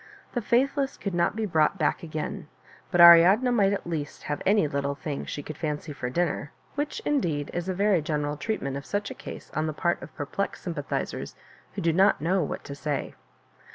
The faithless could not be brought back again; 'but Ariadne might at least have any little thing she could fancy for dinner, which, indeed, is a very general treatment of such a case on the part of perplexed sympathizers who do not know what to say.